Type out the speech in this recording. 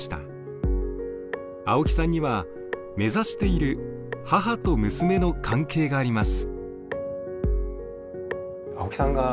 青木さんには目指している母と娘の関係があります。